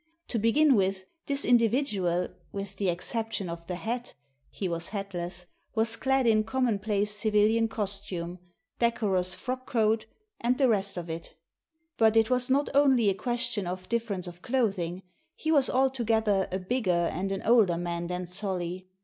To begin with, this individual, with the exception of the hat — ^he was hatless — was clad in commonplace civilian costume, decorous frock coat, and the rest of it. But it was not only a question of difference of clothing; he was altogether a bigger and an older man than Solly.